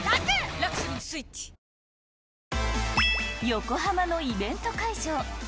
横浜のイベント会場。